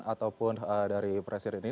ataupun dari presiden ini